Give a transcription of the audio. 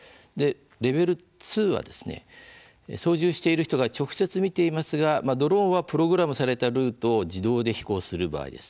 レベル２は操縦している人が直接見ていますがドローンはプログラムされたルートを自動で飛行する場合です。